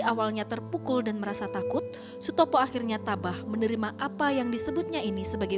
awalnya terpukul dan merasa takut sutopo akhirnya tabah menerima apa yang disebutnya ini sebagai